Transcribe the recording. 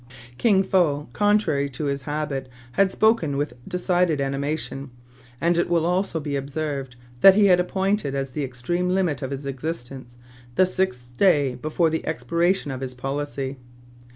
'" Kin Fo, contrary to his habit, had spoken with decided animation ; and it will also be observed se TRIBULATIONS OF A CHINAMAN. that he had appointed as the extreme limit of his existence the sixth day before the expiration of his policy.